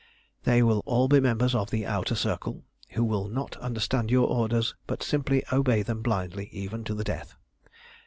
"They will all be members of the Outer Circle, who will not understand your orders, but simply obey them blindly, even to the death.